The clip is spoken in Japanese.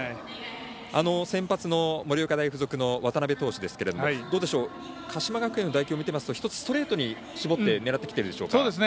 先発の盛岡大付属の渡邊投手ですけども鹿島学園の打撃を見ていますとストレートに絞って狙ってきているでしょうか。